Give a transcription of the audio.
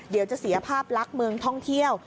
เดี๋ยวจะเสียภาพลักษณ์เมืองท่องเที่ยว